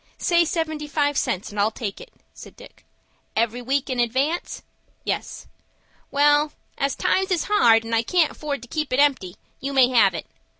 "Say seventy five cents, and I'll take it," said Dick. "Every week in advance?" "Yes." "Well, as times is hard, and I can't afford to keep it empty, you may have it.